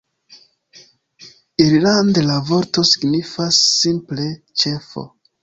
Irlande la vorto signifas simple "ĉefo".